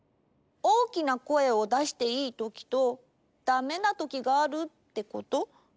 大きな声をだしていいときとダメなときがあるってこと？